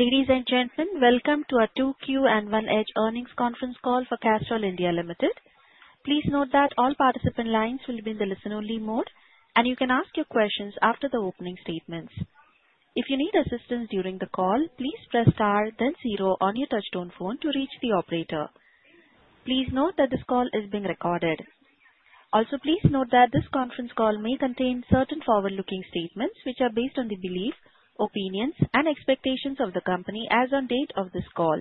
Ladies and gentlemen, welcome to our 2Q and 1H Earnings Conference Call for Castrol India Ltd. Please note that all participant lines will be in the listen-only mode, and you can ask your questions after the opening statements. If you need assistance during the call, please press star then 0 on your touchtone phone to reach the operator. Please note that this call is being recorded. Also, please note that this conference call may contain certain forward-looking statements which are based on the beliefs, opinions, and expectations of the company as on date of this call.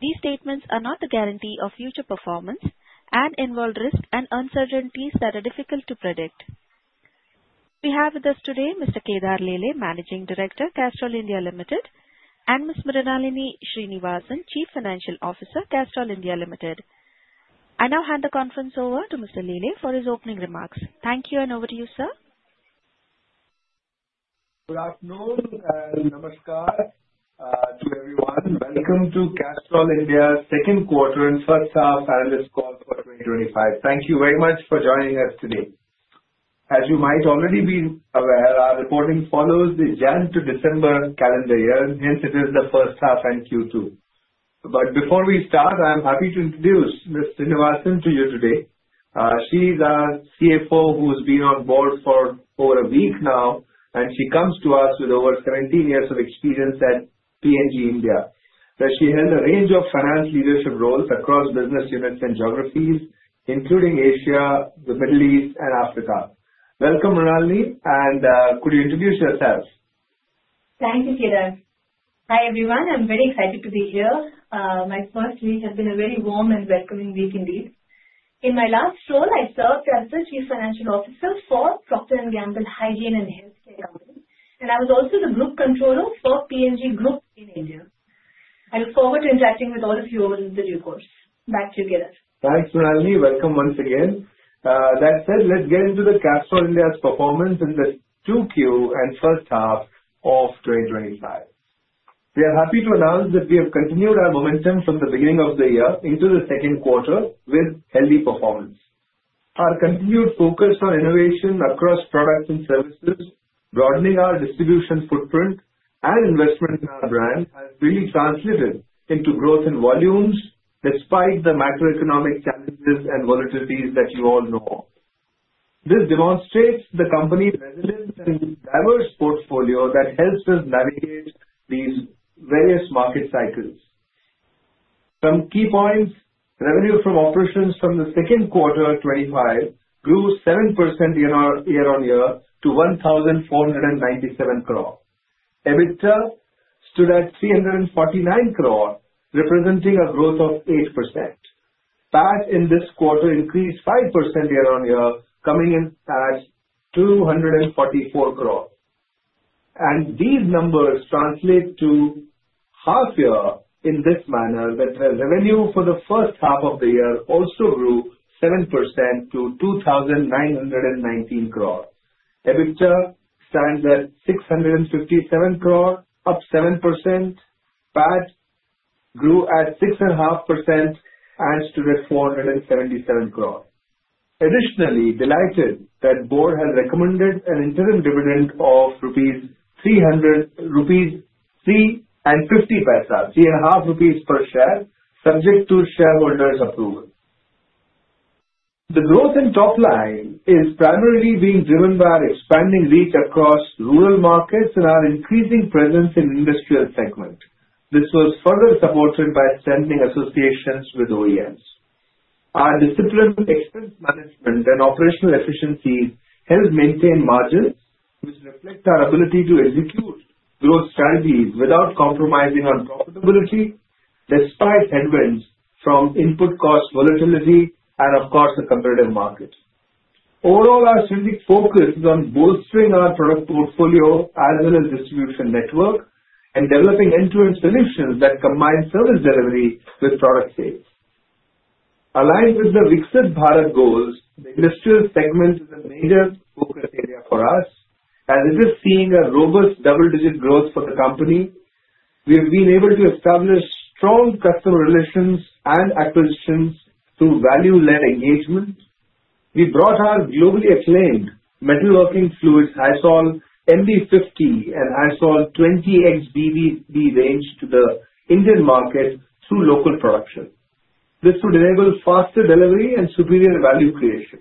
These statements are not a guarantee of future performance and involve risks and uncertainties that are difficult to predict. We have with us today Mr. Kedar Lele, Managing Director, Castrol India Ltd, and Ms. Mrinalini Srinivasan, Chief Financial Officer, Castrol India Ltd. I now hand the conference over to Mr. Lele for his opening remarks. Thank you, and over to you, sir. Good afternoon and namaskar to everyone, and welcome to Castrol India's second quarter and first half analyst call for 2025. Thank you very much for joining us today. As you might already be aware, our reporting follows the January to December calendar year, and hence it is the first half and Q2. Before we start, I'm happy to introduce Ms. Srinivasan to you today. She's our CFO who's been on board for over a week now, and she comes to us with over 17 years of experience at P&G India. She has a range of finance leadership roles across business units and geographies, including Asia, the Middle East, and Africa. Welcome, Mrinalini, and could you introduce yourself? Thank you, Kedar. Hi everyone, I'm very excited to be here. My first week has been a very warm and welcoming week indeed. In my last role, I served as the Chief Financial Officer for Procter & Gamble Hygiene and Health [Care Company], and I was also the Group Controller for P&G Group in India. I look forward to interacting with all of you over the new course. Back to you, Kedar. Thanks, Mrinalini. Welcome once again. That said, let's get into Castrol India's performance in the 2Q and first half of 2025. We are happy to announce that we have continued our momentum from the beginning of the year into the second quarter with healthy performance. Our continued focus on innovation across products and services, broadening our distribution footprint, and investment in our brand has really translated into growth in volumes despite the macroeconomic challenges and volatilities that you all know. This demonstrates the company's resilience and diverse portfolio that helps us navigate these various market cycles. Some key points: revenue from operations from the second quarter of 2025 grew 7% year on year to 1,497 crore. EBITDA stood at 349 crore, representing a growth of 8%. PAT in this quarter increased 5% year on year, coming in at 244 crore. These numbers translate to half-year in this manner that the revenue for the first half of the year also grew 7% to 2,919 crore. EBITDA stands at 657 crore, up 7%. PAT grew at 6.5% and stood at 477 crore. Additionally, delighted that the board has recommended an interim dividend of INR 3.50 per share, subject to shareholders' approval. The growth in top line is primarily being driven by our expanding reach across rural markets and our increasing presence in the industrial segment. This was further supported by strengthening associations with OEMs. Our disciplined expense management and operational efficiency help maintain margins, which reflect our ability to execute growth strategies without compromising our profitability despite headwinds from input cost volatility and, of course, the competitive market. Overall, our strategic focus is on bolstering our product portfolio, admin, and distribution network, and developing end-to-end solutions that combine service delivery with product sales. Aligned with the Viksit Bharat goals, the industrial segment is a major focus area for us, and this is seen as robust double-digit growth for the company. We have been able to establish strong customer relations and acquisitions through value-led engagement. We brought our globally acclaimed metalworking fluids Hysol MB 50 and Hysol 20 XBB range to the Indian market through local production. This would enable faster delivery and superior value creation.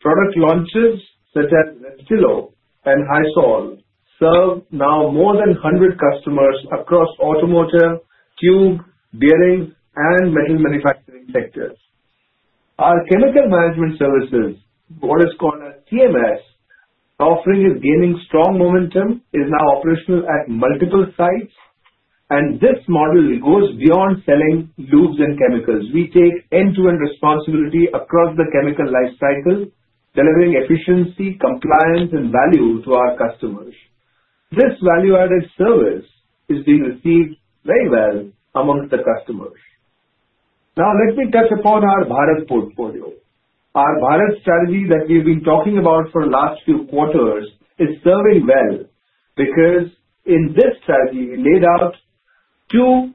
Product launches such as Rustilo and Hysol serve now more than 100 customers across automotive, tube, bearing, and metal manufacturing sectors. Our chemical management services, kwhat is called as CMS, offering is gaining strong momentum, is now operational at multiple sites. This model goes beyond selling lubes and chemicals. We take end-to-end responsibility across the chemical lifecycle, delivering efficiency, compliance, and value to our customers. This value-added service is being received very well among the customers. Now, let me touch upon our Bharat portfolio. Our Bharat strategy that we've been talking about for the last few quarters is serving well because in this strategy, we laid out two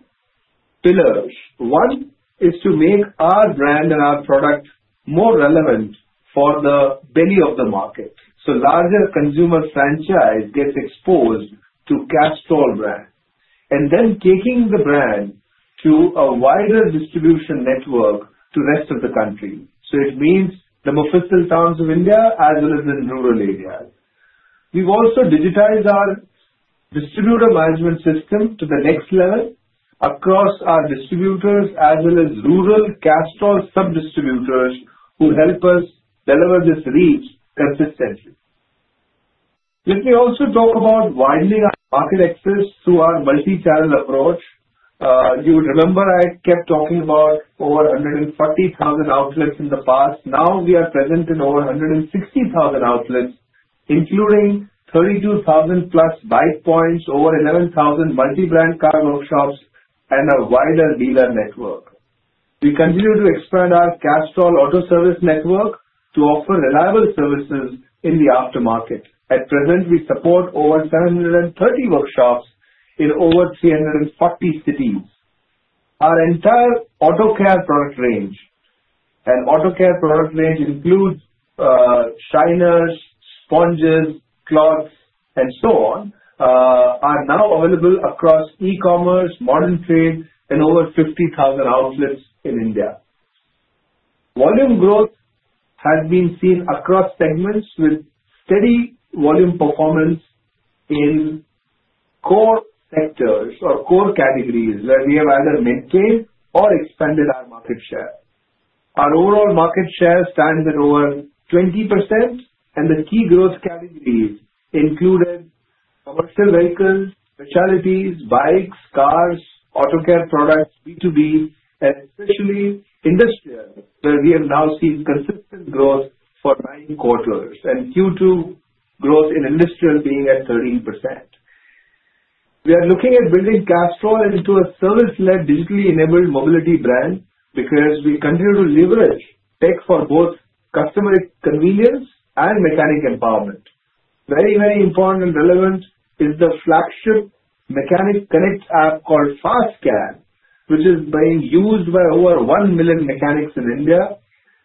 pillars. One is to make our brand and our product more relevant for the belly of the market. Larger consumer franchise gets exposed to Castrol brand and then taking the brand to a wider distribution network to the rest of the country. It means the more Mofussil towns of India as well as in rural areas. We've also digitized our distributor management system to the next level across our distributors as well as rural Castrol sub-distributors who help us deliver this reach consistently. Let me also talk about widening our market extras through our multi-channel approach. You would remember I kept talking about over 140,000 outlets in the past. Now we are present in over 160,000 outlets, including 32,000+ buy points, over 11,000 multi-brand car workshops, and a wider dealer network. We continue to expand our Castrol auto service network to offer reliable services in the aftermarket. At present, we support over 730 workshops in over 340 cities. Our entire auto care ancillary product range, and auto care ancillary product range includes shiners, sponges, cloths, and so on, are now available across e-commerce, modern trade, and over 50,000 outlets in India. Volume growth has been seen across segments with steady volume performance in core sectors or core categories where we have either maintained or expanded our market share. Our overall market share stands at over 20%, and the key growth categories include commercial vehicles, specialties, bikes, cars, auto care products, B2B, and especially industrial where we have now seen consistent growth for nine quarters, and Q2 growth in industrial being at 13%. We are looking at building Castrol into a service-led digitally enabled mobility brand because we continue to leverage tech for both customer convenience and mechanic empowerment. Very, very important and relevant is the flagship mechanic connect app called Fast Scan, which is being used by over 1 million mechanics in India.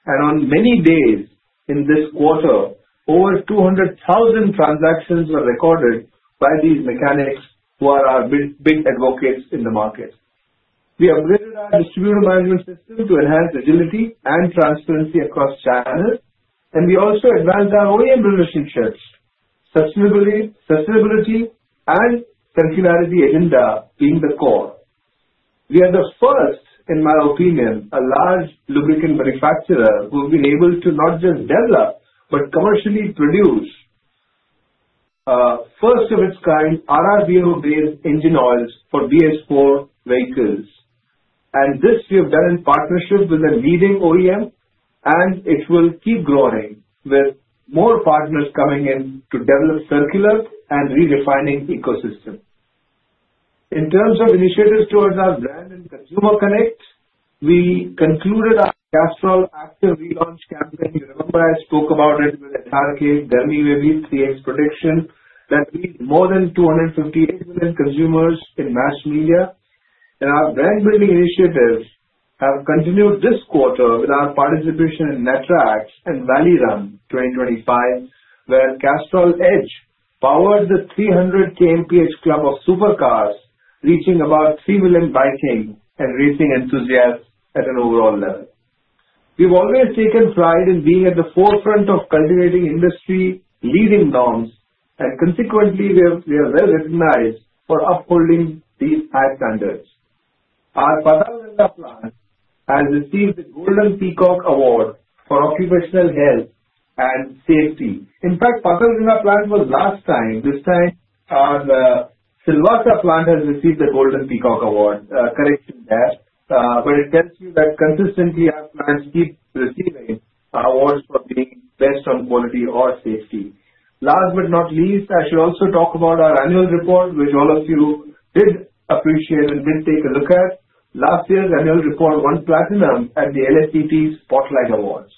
On many days in this quarter, over 200,000 transactions were recorded by these mechanics who are our big advocates in the market. We have upgraded our distributor management system to enhance agility and transparency across channels, and we also advanced our OEM relationships, sustainability, and circularity agenda being the core. We are the first, in my opinion, a large lubricant manufacturer who's been able to not just develop but commercially produce first-of-its-kind RRBO-based engine oils for BS-IV vehicles. This we have done in partnership with the leading OEM, and it will keep growing with more partners coming in to develop circular and redefining ecosystem. In terms of initiatives towards our brand and consumer connect, we concluded our Castrol Activ Relaunch campaign. You remember I spoke about it with SRK, Garmi Mein Bhi 3X Protection that reached more than 250 million consumers in mass media. Our brand building initiatives have continued this quarter with our participation in NATRAX and Valley Run 2025, where Castrol EDGE powered the 300 KMPH club of supercars, reaching about 3 million buying and raising enthusiasm at an overall level. We've always taken pride in being at the forefront of cultivating industry leading norms, and consequently, we are well recognized for upholding these high standards. Our Patalganga plant has received the Golden Peacock Award for occupational health and safety. In fact, Patalganga plant was last time besides our Silvassa plant has received the Golden Peacock Award. Correct me there, but it gets you that consistency has been keep receiving awards for being best on quality or safety. Last but not least, I should also talk about our annual report, which all of you did appreciate and did take a look at. Last year's annual report won Platinum at the LACP Spotlight Awards.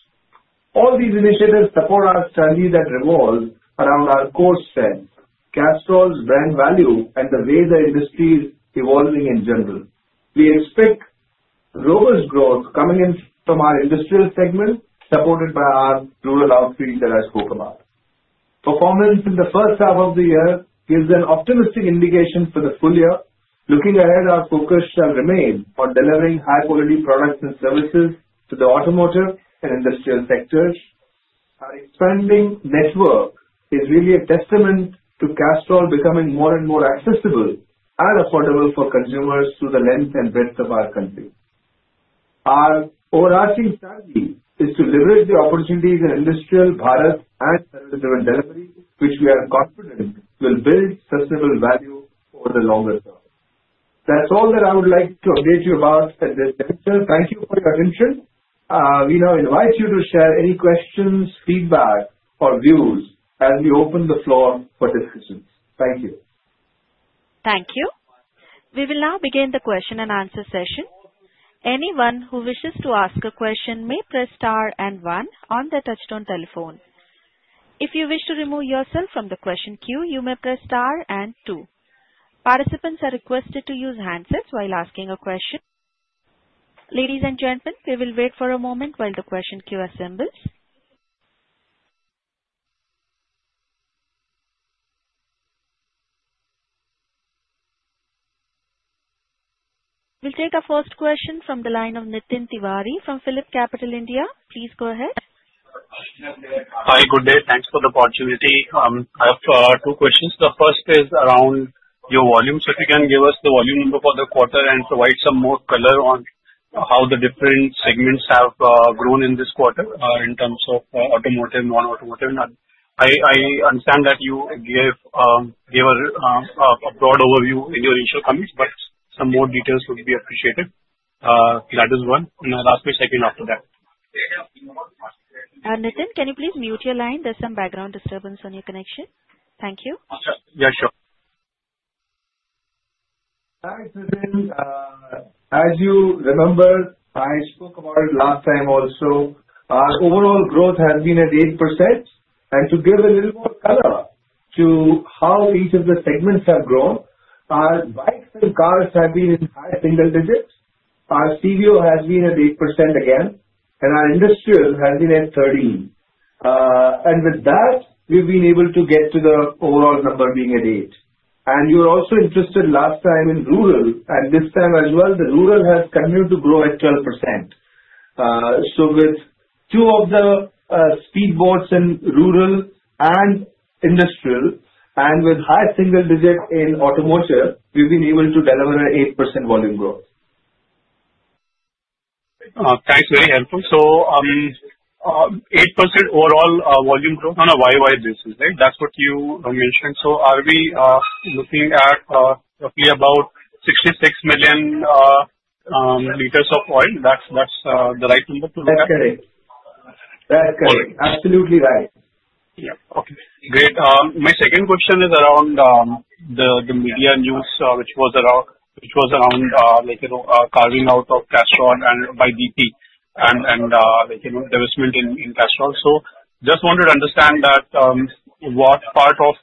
All these initiatives support our study that revolves around our core set: Castrol's brand value and the way the industry is evolving in general. We expect robust growth coming in from our industrial segment, supported by our rural outfields that I spoke about. Performance in the first half of the year gives an optimistic indication for the full year. Looking ahead, our focus shall remain on delivering high-quality products and services to the automotive and industrial sectors. Our expanding network is really a testament to Castrol becoming more and more accessible and affordable for consumers through the length and breadth of our country. Our overarching strategy is to leverage the opportunities in industrial Bharat and sustainable delivery, which we are confident will build sustainable value over the longer term. That's all that I would like to update you about at this juncture. Thank you for your attention. We now invite you to share any questions, feedback, or views as we open the floor for discussions. Thank you. Thank you. We will now begin the question and answer session. Anyone who wishes to ask a question may press star and one on the touchtone telephone. If you wish to remove yourself from the question queue, you may press star and two. Participants are requested to use handsets while asking a question. Ladies and gentlemen, we will wait for a moment while the question queue assembles. We'll take our first question from the line of Nitin Tiwari from PhilipCapital India. Please go ahead. Hi, good day. Thanks for the opportunity. I have two questions. The first is around your volumes. If you can give us the volume number for the quarter and provide some more color on how the different segments have grown in this quarter in terms of automotive and non-automotive. I understand that you gave a broad overview in your initial comments, but some more details would be appreciated. That is one. Now, that's my second question. Nitin, can you please mute your line? There's some background disturbance on your connection. Thank you. Yeah, sure. Thanks, Nitin. As you remember, I spoke about it last time also. Our overall growth has been at 8%. To give a little more color to how each of the segments have grown, our bicycle cars have been at high single digits. Our CBO has been at 8% again, and our industrial has been at 13%. With that, we've been able to get to the overall number being at 8%. You were also interested last time in rural, and this time as well, the rural has continued to grow at 12%. With two of the speedboards in rural and industrial, and with high single digit in automotive, we've been able to deliver an 8% volume growth. Thanks, very helpful. 8% overall volume growth on a year-on-year basis, right? That's what you mentioned. Are we looking at roughly about 66 million liters of oil? That's the right number? That's correct. Absolutely right. Yeah, okay. Great. My second question is around the media news, which was around, like, you know, carving out of Castrol and by BP, and, like, you know, there was built in in Castrol. Just wanted to understand what part of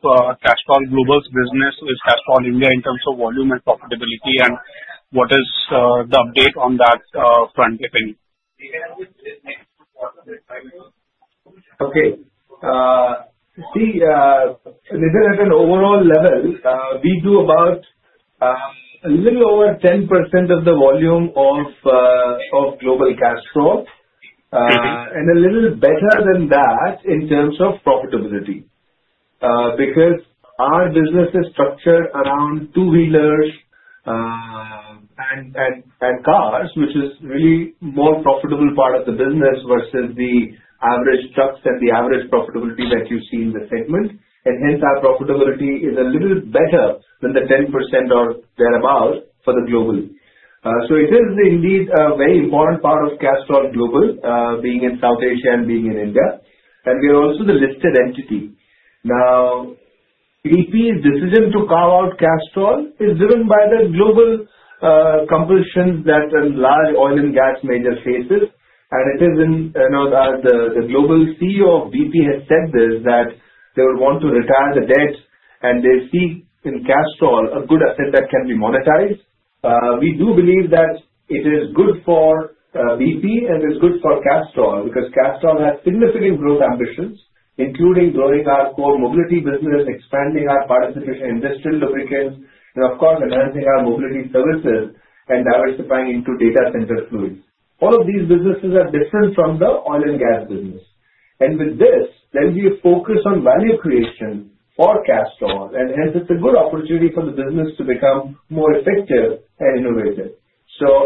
Castrol Global's business is Castrol India in terms of volume and profitability, and what is the update on that front, if any. Okay. See, Nitin, at an overall level, we do about a little over 10% of the volume of global Castrol and a little better than that in terms of profitability. Because our business is structured around two wheelers and cars, which is really a more profitable part of the business versus the average trucks and the average profitability that you see in the segment, our profitability is a little better than the 10% or thereabout for the global. It is indeed a very important part of Castrol Global being in South Asia and being in India. We are also the listed entity. Now, BP's decision to carve out Castrol is driven by the global compression that a large oil and gas major faces. The global CEO of BP has said this, that they would want to retire the debts and they see in Castrol a good asset that can be monetized. We do believe that it is good for BP and is good for Castrol because Castrol has significant growth ambitions, including growing our core mobility business, expanding our partnership in industrial lubricants, and of course, enhancing our mobility services and diversifying into data center fluid. All of these businesses are different from the oil and gas business. With this, there will be a focus on value creation for Castrol. It is a good opportunity for the business to become more effective and innovative.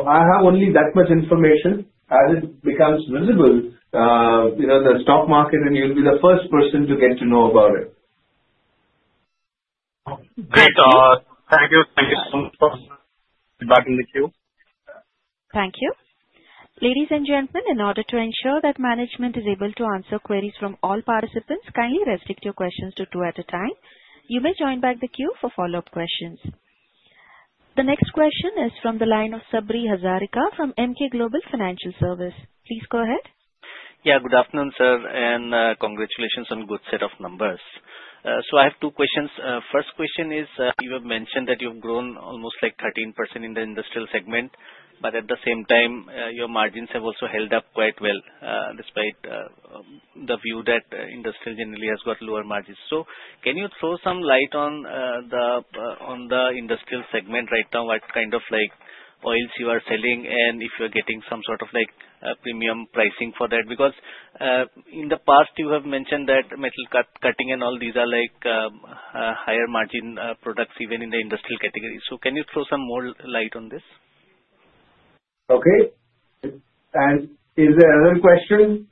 I have only that much information. As it becomes visible, you know, the stock market and you'll be the first person to get to know about it. Great. Thank you. Thank you. Ladies and gentlemen, in order to ensure that management is able to answer queries from all participants, kindly restrict your questions to two at a time. You may join back the queue for follow-up questions. The next question is from the line of Sabri Hazarika from Emkay Global Financial Services. Please go ahead. Yeah, good afternoon, sir, and congratulations on a good set of numbers. I have two questions. First question is, you have mentioned that you've grown almost like 13% in the industrial segment, but at the same time, your margins have also held up quite well despite the view that industrial generally has got lower margins. Can you throw some light on the industrial segment right now? What kind of like oils you are selling and if you are getting some sort of like premium pricing for that? Because in the past, you have mentioned that metal cutting and all these are like higher margin products even in the industrial category. Can you throw some more light on this? Okay. Is there another question,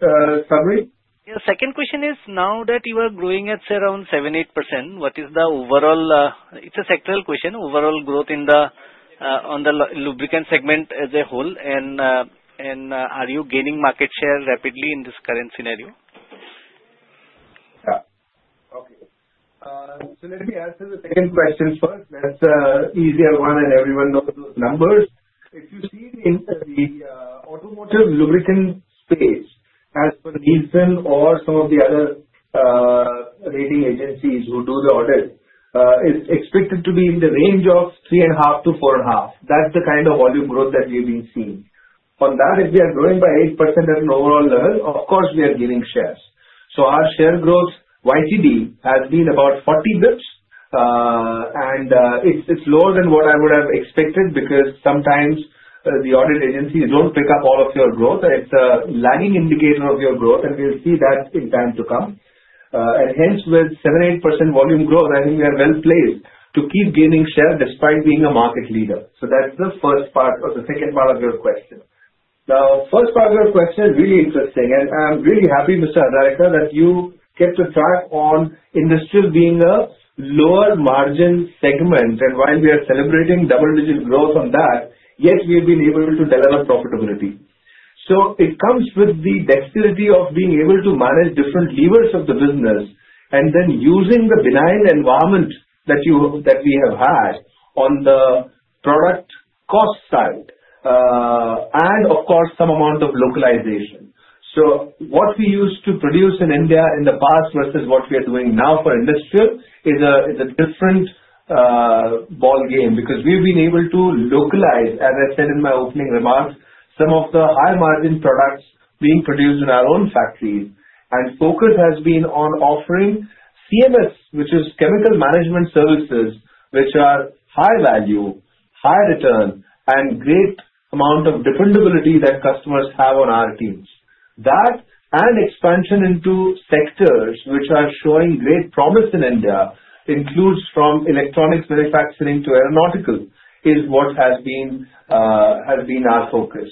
Sabri? Yeah, second question is, now that you are growing at around 7%, 8%, what is the overall, it's a sectoral question, overall growth in the on the lubricant segment as a whole, and are you gaining market share rapidly in this current scenario? This is a second question first. That's an easier one and everyone knows those numbers. If you see the automotive lubricant space, as per Nielsen or some of the other rating agencies who do the audit, it's expected to be in the range of 3.5%-4.5%. That's the kind of volume growth that we've been seeing. On that, if we are growing by 8% at an overall level, of course, we are gaining shares. Our share growth YTD has been about 40 bps, and it's lower than what I would have expected because sometimes the audit agencies don't pick up all of your growth. It's a lagging indication of your growth, and we'll see that in time to come. With 7%, 8% volume growth, I think we are well placed to keep gaining share despite being a market leader. That's the first part or the second part of your question. Now, first part of your question, really interesting, and I'm really happy, Mr. Hazarika, that you kept a stripe on industrial being a lower margin segment. While we are celebrating double-digit growth on that, yes, we have been able to deliver profitability. It comes with the dexterity of being able to manage different levers of the business and then using the benign environment that we have had on the product cost side, and of course, some amount of localization. What we used to produce in India in the past versus what we are doing now for industrial is a different ballgame because we've been able to localize, as I said in my opening remarks, some of the high-margin products being produced in our own factories. Focus has been on offering CMS, wich is Chemical Management Services, which are high value, high return, and a great amount of dependability that customers have on our teams. That and expansion into sectors which are showing great promise in India, includes from electronics manufacturing to aeronautical, is what has been our focus.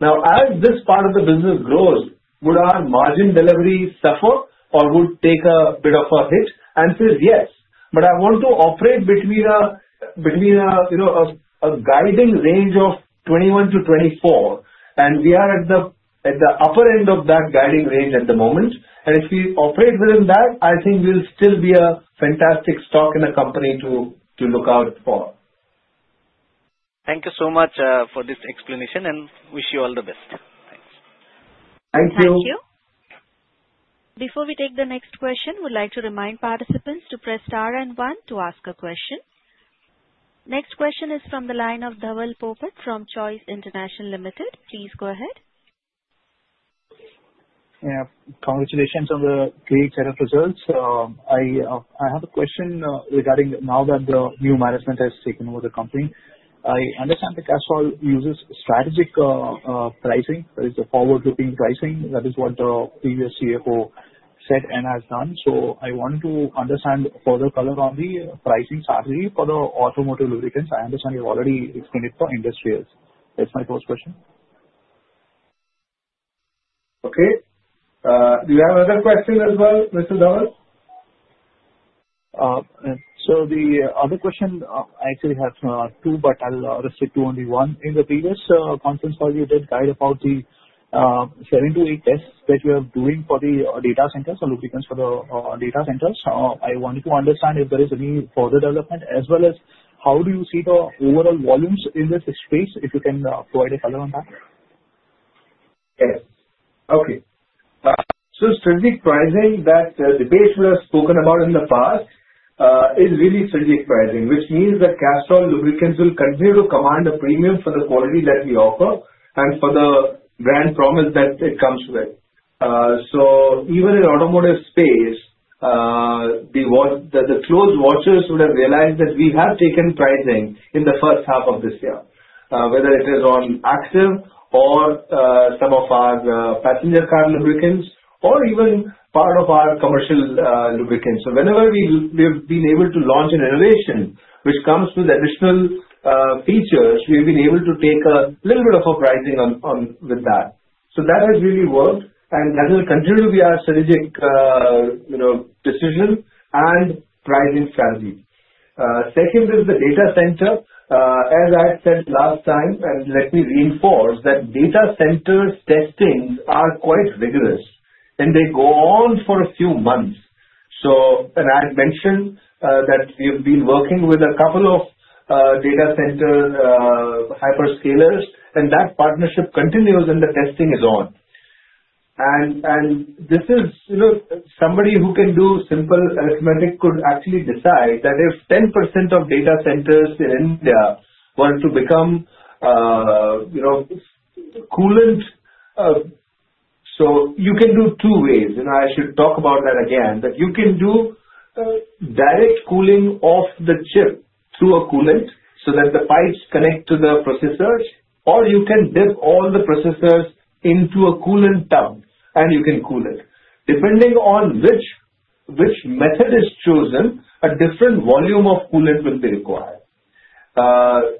Now, as this part of the business grows, would our margin delivery suffer or would it take a bit of a hitch? Answer is yes. I want to operate between a guiding range of 21%-24%. We are at the upper end of that guiding range at the moment. If we operate within that, I think we'll still be a fantastic stock in a company to look out for. Thank you so much for this explanation and wish you all the best. Thanks. Thank you. Thank you. Before we take the next question, we'd like to remind participants to press star and one to ask a question. Next question is from the line of Dhaval Popat from Choice International Ltd. Please go ahead. Yeah, congratulations on the great set of results. I have a question regarding now that the new management has taken over the company. I understand that Castrol uses strategic pricing. It's a forward-looking pricing. That is what the previous CFO said and has done. I want to understand further color on the pricing strategy for the automotive lubricants. I understand you've already explained it for industrials. That's my first question. Okay. Do you have another question as well, Mr. Dhaval? The other question, I actually have two, but I'll restrict to only one. In the previous conference call, you did guide about the 7-day tests that you are doing for the data centers or lubricants for the data centers. I wanted to understand if there is any further development as well as how do you see the overall volumes in this space, if you can provide a color on that? Okay. Strategic pricing that Dipesh would have spoken about in the past is really strategic pricing, which means that Castrol lubricants will continue to command a premium for the quality that we offer and for the brand promise that it comes with. Even in the automotive space, the floor's watchers would have realized that we have taken pricing in the first half of this year, whether it is on Activ or some of our passenger car lubricants or even part of our commercial lubricants. Whenever we have been able to launch an innovation which comes with additional features, we've been able to take a little bit of a pricing on with that. That has really worked and that will continue to be our strategic decision and pricing strategy. Second is the data center. As I said last time, let me reinforce that data centers' testings are quite rigorous and they go on for a few months. I had mentioned that we have been working with a couple of data center hyperscalers and that partnership continues and the testing is on. Somebody who can do simple arithmetic could actually decide that if 10% of data centers in India were to become, you know, coolants. You can do two ways. I should talk about that again, but you can do direct cooling off the chip through a coolant so that the pipes connect to the processors, or you can dip all the processors into a coolant tub and you can cool it. Depending on which method is chosen, a different volume of coolant will be required.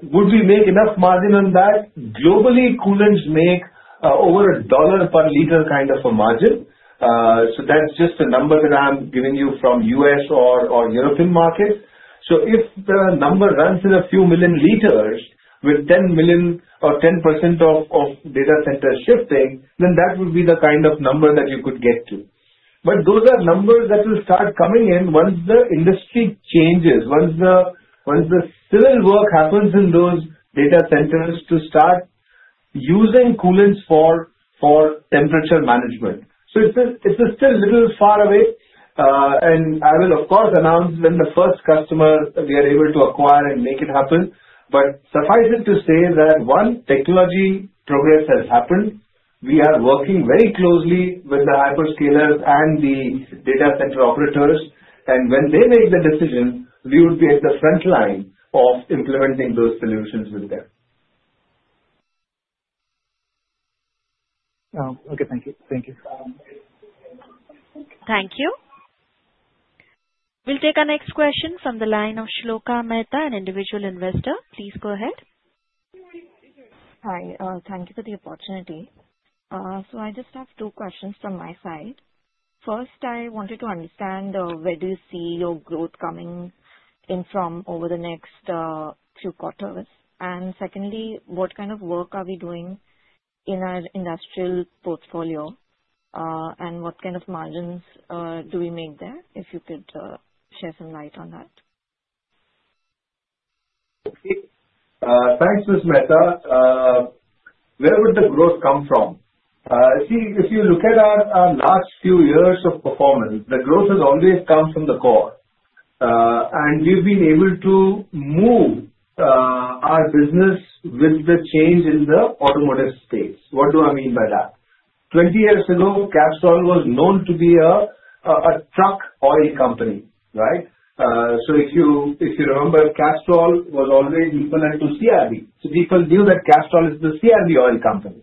Would we make enough margin on that? Globally, coolants make over $1 per liter kind of a margin. That's just a number that I'm giving you from U.S. or European markets. If the number runs in a few million liters with 10 million or 10% of data centers shifting, then that would be the kind of number that you could get to. Those are numbers that will start coming in once the industry changes, once the civil work happens in those data centers to start using coolants for temperature management. It's still a little far away. I will, of course, announce when the first customer we are able to acquire and make it happen. Suffice it to say that, one, technology progress has happened. We are working very closely with the hyperscalers and the data center operators. When they make the decision, we would be at the front line of implementing those solutions with them. Okay, thank you. Thank you. Thank you. We'll take our next question from the line of Shloka Mehta, an individual investor. Please go ahead. Hi, thank you for the opportunity. I just have two questions from my side. First, I wanted to understand where do you see your growth coming in from over the next few quarters? Secondly, what kind of work are we doing in our industrial portfolio, and what kind of margins do we make there? If you could share some light on that. Thanks, Ms. Mehta. Where would the growth come from? See, if you look at our last few years of performance, the growth has always come from the core. We've been able to move our business with the change in the automotive space. What do I mean by that? Twenty years ago, Castrol was known to be a truck oil company, right? If you remember, Castrol was always equal to CIB. People knew that Castrol is the CIB oil company.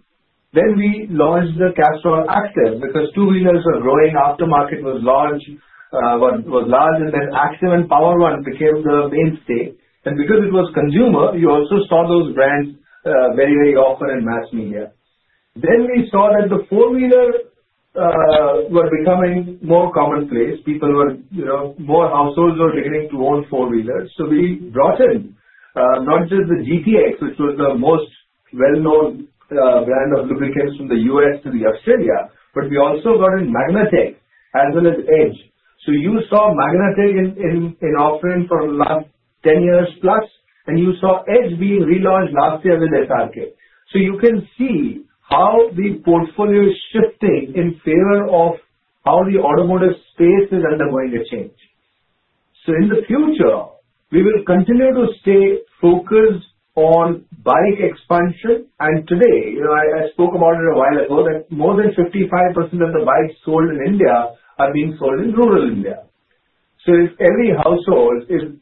We launched the Castrol Activ because two-wheelers were growing. Aftermarket was large, and then Activ and POWER 1 became the mainstay. Because it was consumer, you also saw those brands very, very often in mass media. We saw that the four-wheeler was becoming more commonplace. More households were beginning to want four-wheelers. We brought in not just the GTX, which was the most well-known brand of lubricants from the U.S. to Australia, but we also got in MAGNATEC as well as EDGE. You saw MAGNATEC in offering for the last 10+ years, and you saw EDGE being relaunched last year with SRK. You can see how the portfolio is shifting in favor of how the automotive space is undergoing a change. In the future, we will continue to stay focused on bike expansion. Today, I spoke about it a while ago that more than 55% of the bikes sold in India are being sold in rural India. If every household in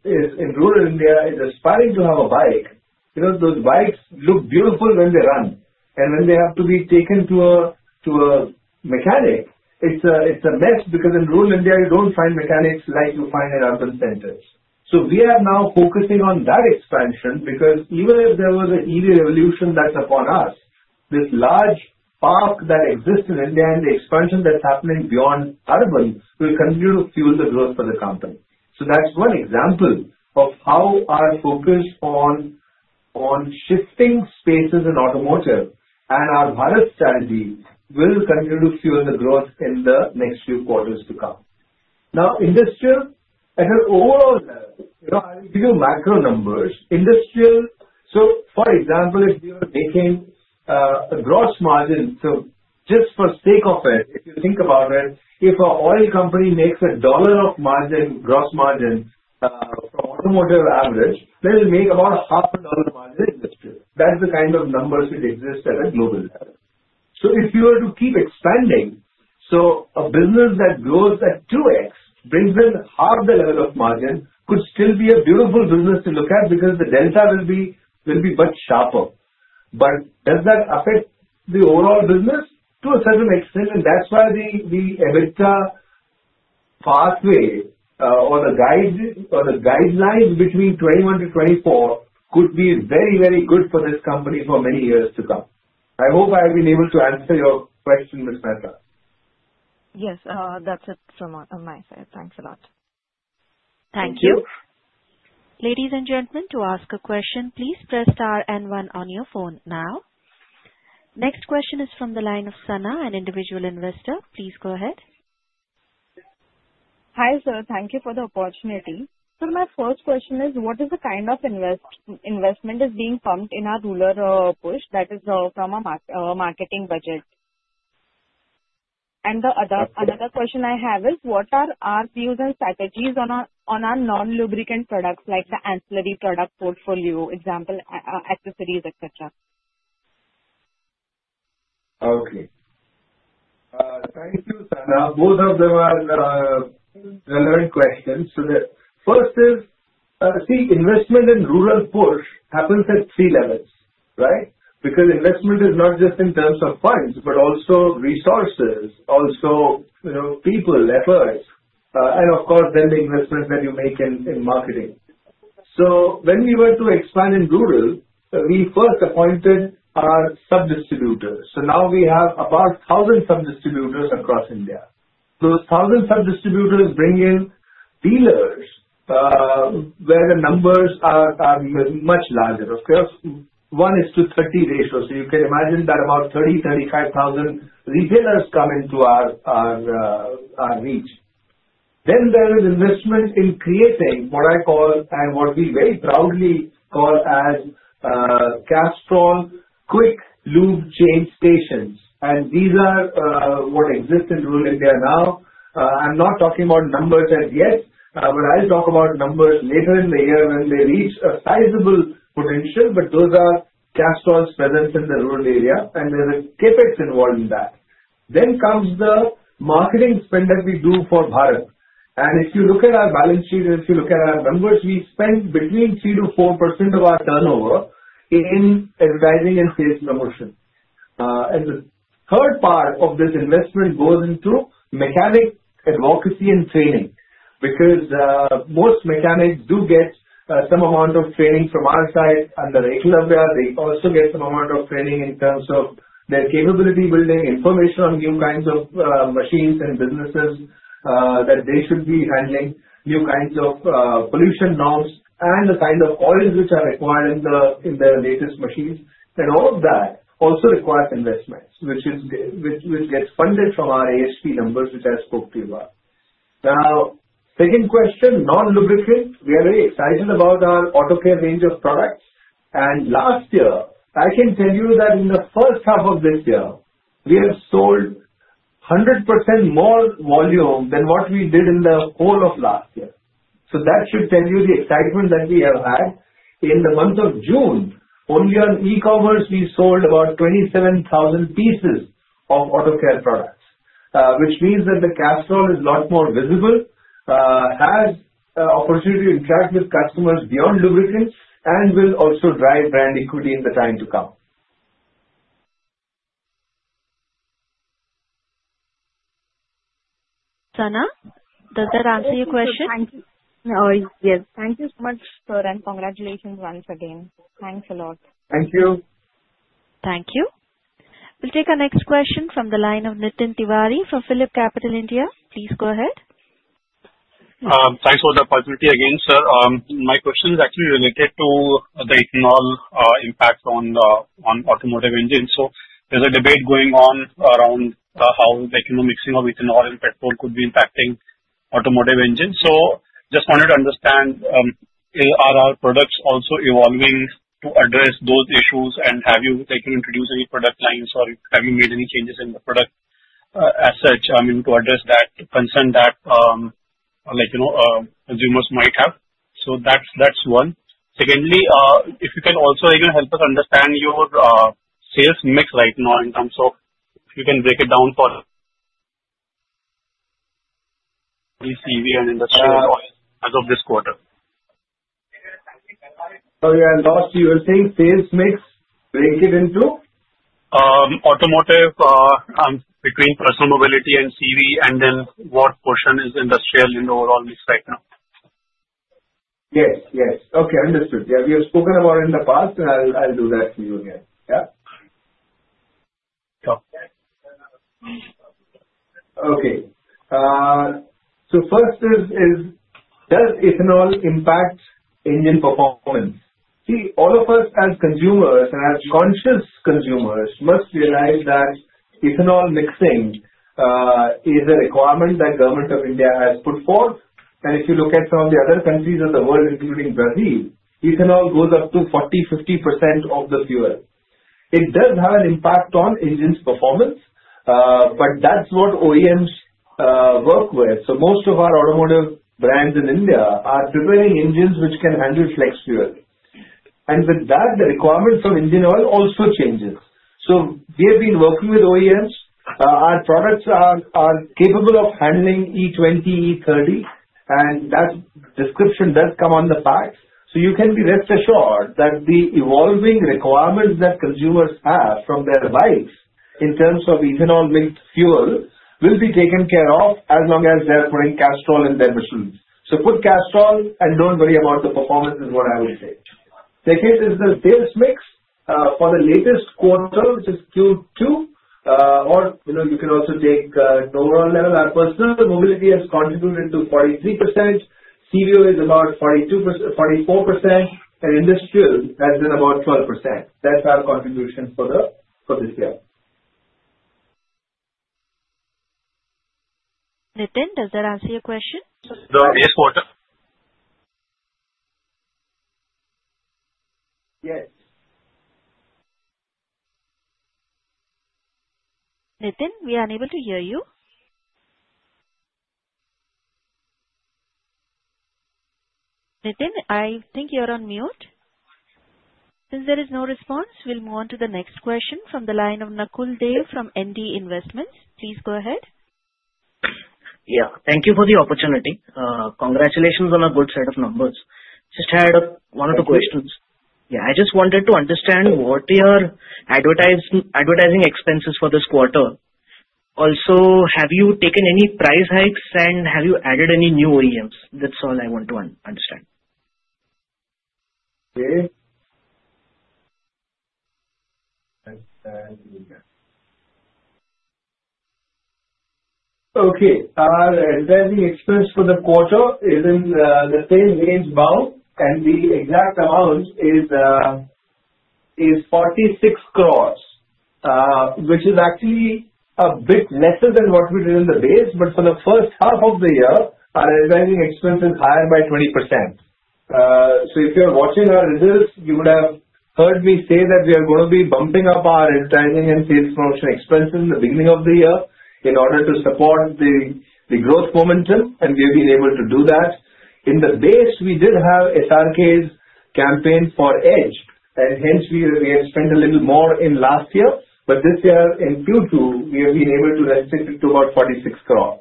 rural India is aspiring to have a bike, those bikes look beautiful when they run. When they have to be taken to a mechanic, it's a mess because in rural India, you don't find mechanics like you find in urban centers. We are now focusing on that expansion because even if there was an EV evolution that's upon us, this large park that exists in India and the expansion that's happening beyond urban will continue to fuel the growth for the company. That's one example of how our focus on shifting spaces in automotive and our product strategy will continue to fuel the growth in the next few quarters to come. Now, industrial at an overall level, I'll give you macro numbers. Industrial, for example, if you're making a gross margin, just for the sake of it, if you think about it, if an oil company makes $1 of gross margin for automotive average, they'll make about $0.50 of margin in this field. That's the kind of numbers which exist at a global level. If you were to keep expanding, a business that grows at 2x and brings in half the level of margin could still be a beautiful business to look at because the delta will be much sharper. Does that affect the overall business? To a certain extent, and that's why the EBITDA pathway on a guideline between 2021 to 2024 could be very, very good for this company for many years to come. I hope I have been able to answer your question, Ms. Mehta. Yes, that's it from my side. Thanks a lot. Thank you. Ladies and gentlemen, to ask a question, please press star and one on your phone now. Next question is from the line of Sanna, an individual investor. Please go ahead. Hi, sir. Thank you for the opportunity. Sir, my first question is, what is the kind of investment that is being pumped in our rural push that is from our marketing budget? Another question I have is, what are our views and strategies on our non-lubricant products like the auto care ancillary product range, example, accessories, etc.? Okay. Thank you, Sanna. Both of them are relevant questions. The first is, see, investment in rural push happens at three levels, right? Investment is not just in terms of funds, but also resources, people, efforts, and of course, the investments that you make in marketing. When we were to expand in rural, we first appointed our sub-distributors. Now we have about 1,000 sub-distributors across India. Those 1,000 sub-distributors bring in dealers where the numbers are much larger. Of course, 1:30 ratio. You can imagine that about 30,000 to 35,000 retailers come into our reach. There is investment in creating what I call and what we very proudly call as Castrol quick lube chain stations. These are what exist in rural India now. I'm not talking about numbers as yet, but I'll talk about numbers later in the year when they reach a sizable potential. Those are Castrol's presence in the rural area, and there's a CapEx involved in that. Next comes the marketing spend that we do for Bharat. If you look at our balance sheet and if you look at our numbers, we spend between 3%-4% of our turnover in advertising and sales promotion. The third part of this investment goes into mechanic advocacy and training because most mechanics do get some amount of training from our side under Eklavya. They also get some amount of training in terms of their capability building, information on new kinds of machines and businesses that they should be handling, new kinds of pollution logs, and the kind of oils which are required in their latest machines. All of that also requires investment, which gets funded from our ASP numbers, which I spoke to you about. Now, second question, non-lubricants. We are very excited about our auto care ancillary product range. Last year, I can tell you that in the first half of this year, we have sold 100% more volume than what we did in the whole of last year. That should tell you the excitement that we have had. In the month of June, only on e-commerce, we sold about 27,000 pieces of Auto Care products, which means that Castrol is a lot more visible, has the opportunity to interact with customers beyond lubricants, and will also drive brand equity in the time to come. Sanna, does that answer your question? Yes, thank you so much, sir, and congratulations once again. Thanks a lot. Thank you. Thank you. We'll take our next question from the line of Nitin Tiwari from PhilipCapital India. Please go ahead. Thanks for the opportunity again, sir. My question is actually related to the ethanol impacts on automotive engines. There's a debate going on around how the mixing of ethanol and petrol could be impacting automotive engines. Just trying to understand, are our products also evolving to address those issues? Have you introduced any product lines or have you made any changes in the product, as such, to address that concern that consumers might have? That's one. Secondly, if you can also help us understand your sales mix right now in terms of if you can break it down for the CV and industrial as of this quarter. Sorry, I lost you. You were saying sales mix? Break it into? Automotive, I'm between personal mobility and CV, and then what portion is industrial in the overall mix right now? Yes, yes. Okay, understood. Yeah, we have spoken about it in the past. I'll do that for you again. Okay. First is, does ethanol impact engine performance? See, all of us as consumers and as conscious consumers must realize that ethanol mixing is a requirement that the government of India has put forth. If you look at some of the other countries of the world, including Brazil, ethanol goes up to 40%, 50% of the fuel. It does have an impact on engine performance, but that's what OEMs work with. Most of our automotive brands in India are preparing engines which can handle flex fuel. With that, the requirements of engine oil also change. We have been working with OEMs. Our products are capable of handling e20, e30, and that description does come on the facts. You can be rest assured that the evolving requirements that consumers have from their bikes in terms of ethanol-linked fuel will be taken care of as long as they're putting Castrol in their machines. Put Castrol and don't worry about the performance is what I would say. Second is the sales mix for the latest quarter, which is Q2. You can also take the overall level. Our personal mobility has contributed to 43%. CBO is about 42%, 44%, and industrial has been about 12%. That's our contribution for this year. Nitin, does that answer your question? The quarter. Nitin, we are unable to hear you. Nitin, I think you're on mute. Since there is no response, we'll move on to the next question from the line of Nakul Dev from ND Investments. Please go ahead. Thank you for the opportunity. Congratulations on a good set of numbers. I just had one of the questions. I just wanted to understand what were your advertising expenses for this quarter. Also, have you taken any price hikes and have you added any new OEMs? That's all I want to understand. Okay. Our revenue expense for the quarter is in the same range bound, and the exact amount is 46 crore, which is actually a bit lesser than what we did in the race. For the first half of the year, our advertising expense is higher by 20%. If you're watching our results, you would have heard me say that we are going to be bumping up our advertising and sales promotion expense in the beginning of the year in order to support the growth momentum, and we have been able to do that. In the race, we did have SRK's campaign for EDGE, and hence we spent a little more in last year. This year, in Q2, we have been able to retribute to about 46 crore.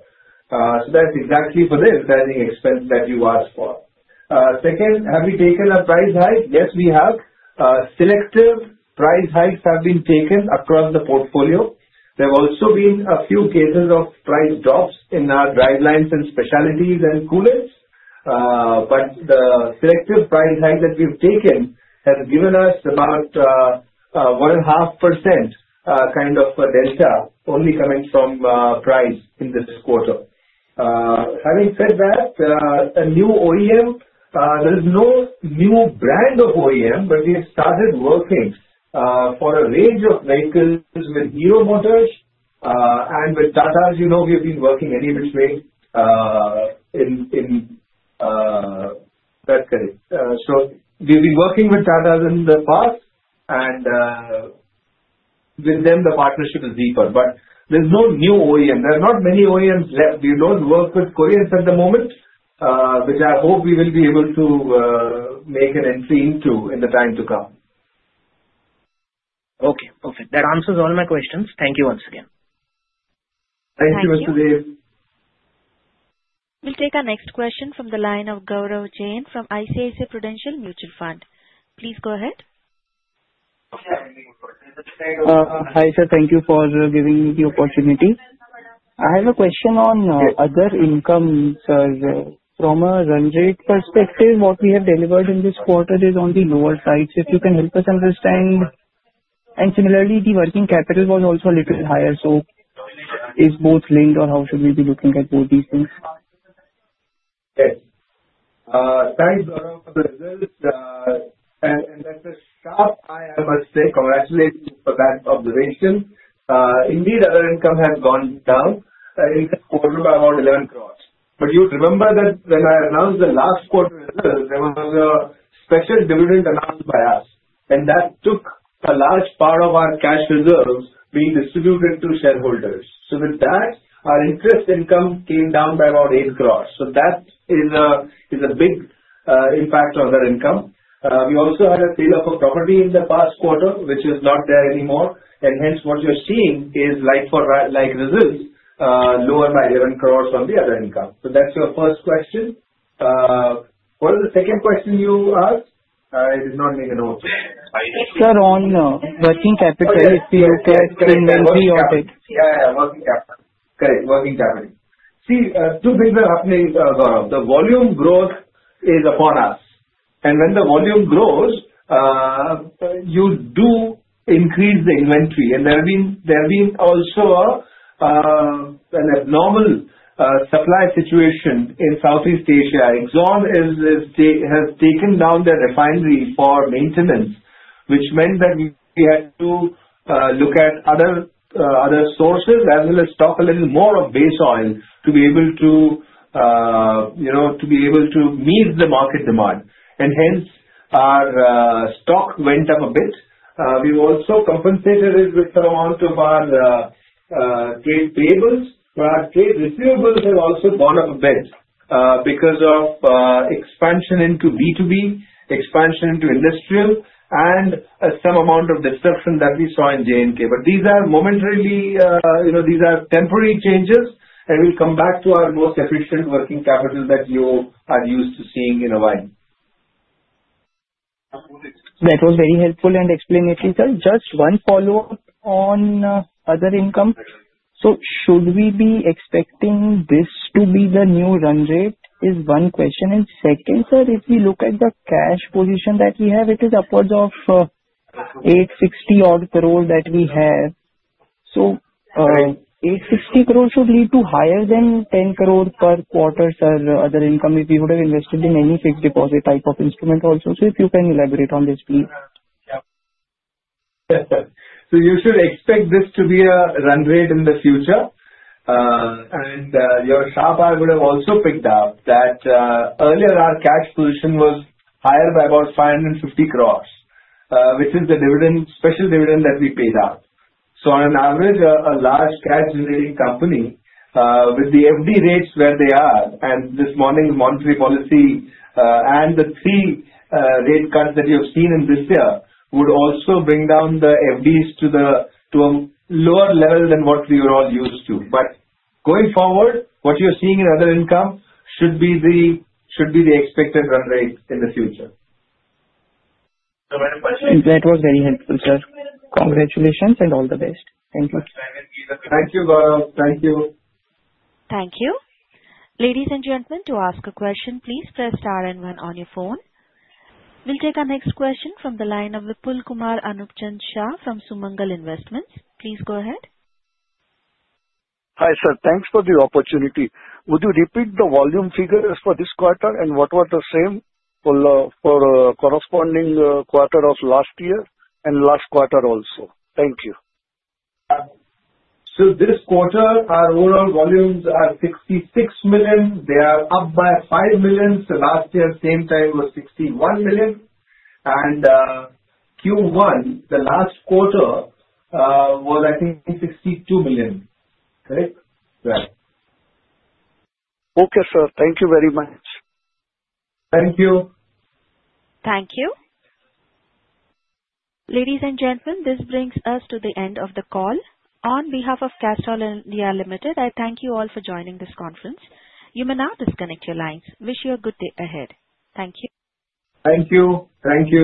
That's exactly for the advertising expense that you asked for. Second, have we taken a price hike? Yes, we have. Selective price hikes have been taken across the portfolio. There have also been a few cases of price drops in our dry lines and specialties and coolants. The selective price hike that we've taken has given us about 1.5% kind of delta only coming from price in this quarter. Having said that, a new OEM, there's no new brand of OEM, but we've started working for a range of vehicles with new motors and with Tata's. You know, we've been working anyway in that case. We've been working with Tata's in the past, and with them, the partnership is deeper. There's no new OEM. There are not many OEMs left. We don't work with Koreans at the moment, which I hope we will be able to make an entry into in the time to come. Okay, perfect. That answers all my questions. Thank you once again. Thank you, Mr. Dev. We'll take our next question from the line of Gaurav Jain from ICICI Prudential Mutual Fund. Please go ahead. Hi, sir. Thank you for giving me the opportunity. I have a question on other income, sir. From a run rate perspective, what we have delivered in this quarter is on the lower types. If you can help us understand. Similarly, the working capital was also a little higher. Is both linked or how should we be looking at both these things? Thanks, Gaurav, for the results. That's a sharp eye, I must say. Congratulations for that observation. Indeed, our income has gone down. It's over about 11 crore. You would remember that when I announced the last quarter, there was a special dividend by us. That took a large part of our cash reserves being distributed to shareholders. With that, our interest income came down by about 8 crore. That is a big impact on our income. We also had a sale of property in the past quarter, which is not there anymore. Hence, what you're seeing is like-for-like results, lower by 11 crore from the other income. That's your first question. What is the second question you asked? I did not make a note of it. Sir, on working capital, if you look at inventory audits. Working capital. Correct, working capital. See, two things are happening, Gaurav. The volume growth is upon us. When the volume grows, you do increase the inventory. There has been also an abnormal supply situation in Southeast Asia. Exxon has taken down their refinery for maintenance, which meant that we had to look at other sources as well as stock a little more of base oil to be able to, you know, to be able to meet the market demand. Hence, our stock went up a bit. We've also compensated it with a lot of our trade payables, but our trade receivables have also gone up a bit because of expansion into B2B, expansion into industrial, and some amount of disruption that we saw in J&K. These are temporary changes, and we'll come back to our most efficient working capital that you are used to seeing in a while. That was very helpful and explainable. Just one follow-up on other income. Should we be expecting this to be the new run rate is one question. Second, sir, if you look at the cash position that we have, it is upwards of 860-odd crore that we have. 860 crore should lead to higher than 10 crore per quarter, sir, other income if you would have invested in any fixed deposit type of instrument also. If you can elaborate on this, please. Yes, yes. You should expect this to be a run rate in the future. Your sharp eye would have also picked up that earlier our cash position was higher by about 550 crore, which is the special dividend that we paid out. On average, a large cash-related company with the FD rates where they are, and this monetary policy and the three rate cuts that you have seen in this year would also bring down the FDs to a lower level than what we were all used to. Going forward, what you're seeing in other income should be the expected run rate in the future. That was very helpful, sir. Congratulations and all the best. Thank you. Thank you, Gaurav. Thank you. Thank you. Ladies and gentlemen, to ask a question, please press star and one on your phone. We'll take our next question from the line of Vipulkumar Anopchand Shah from Sumangal Investments. Please go ahead. Hi, sir. Thanks for the opportunity. Would you repeat the volume figures for this quarter, and what was the same for the corresponding quarter of last year and last quarter also? Thank you. This quarter, our overall volumes are 66 million. They are up by 5 million. Last year, same time was 61 million. Q1, the last quarter, was I think 62 million, correct? Okay, sir. Thank you very much. Thank you. Thank you. Ladies and gentlemen, this brings us to the end of the call. On behalf of Castrol India Ltd, I thank you all for joining this conference. You may now disconnect your lines. Wish you a good day ahead. Thank you. Thank you. Thank you.